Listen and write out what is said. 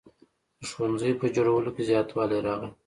د ښوونځیو په جوړولو کې زیاتوالی راغی.